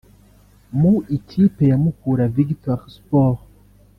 Mu ikipe ya Mukura Victory Sport